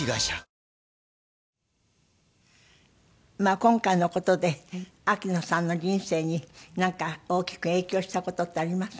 今回の事で秋野さんの人生になんか大きく影響した事ってありますか？